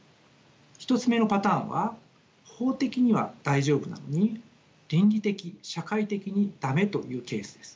１つ目のパターンは法的には大丈夫なのに倫理的社会的に駄目というケースです。